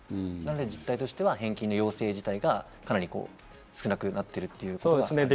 実態としては返金の要請自体が少なくなっているということがある。